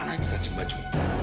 mana ini kancing baju